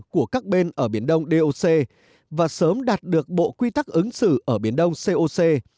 của các bên ở biển đông doc và sớm đạt được bộ quy tắc ứng xử ở biển đông coc